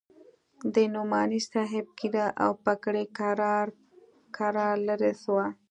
د نعماني صاحب ږيره او پګړۍ کرار کرار لرې سوې.